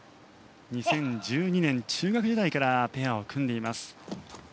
２０１２年の中学時代からペアを組んでいます